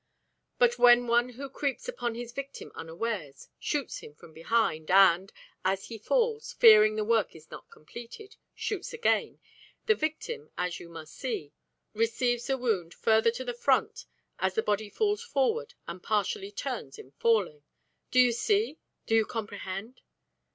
"But when one who creeps upon his victim unawares, shoots him from behind, and, as he falls, fearing the work is not completed, shoots again, the victim, as you must see, receives the wound further to the front as the body falls forward and partially turns in falling. Do you see? Do you comprehend?"